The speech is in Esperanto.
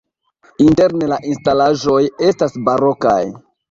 Interne la instalaĵoj estas barokaj.